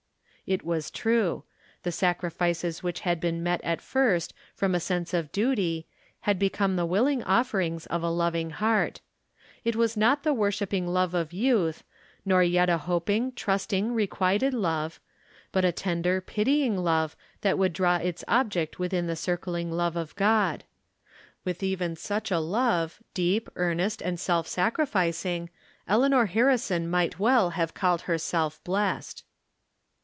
It was true. The sacrifices which had been met at first from a sense of duty had become the willing offerings of a loving heart. It was not the wor shipping love of youth, nor yet a hoping, trust ing requited love ; but a tender, pitying love, that would draw its object within the circling love of God. With even such a love, deep, ear nest and self sacrificing, Eleanor Harrison might well have call herself blessed.